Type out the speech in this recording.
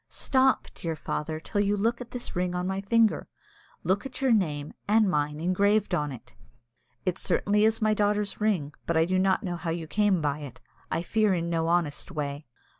"Stop, dear father, till you look at this ring on my finger. Look at your name and mine engraved on it." "It certainly is my daughter's ring; but I do not know how you came by it. I fear in no honest way."